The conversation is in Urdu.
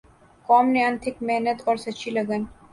قوم نے انتھک محنت اور سچی لگن